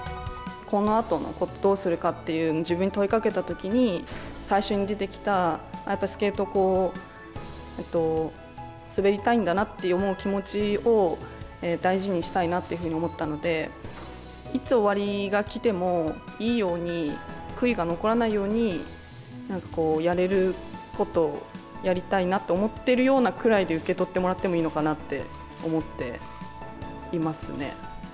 このあとのことをどうするかって自分に問いかけたときに、最初に出てきた、やっぱりスケートを滑りたいんだなって思う気持ちを、大事にしたいなっていうふうに思ったので、いつ終わりが来てもいいように、悔いが残らないように、やれることをやりたいなと思ってるようなくらいで受け取ってもらってもいいのかなって思っていますね。